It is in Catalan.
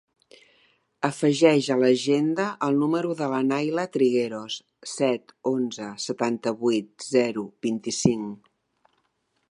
Afegeix a l'agenda el número de la Nayla Trigueros: set, onze, setanta-vuit, zero, vint-i-cinc.